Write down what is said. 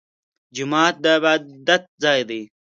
جومات د عبادت ځای دی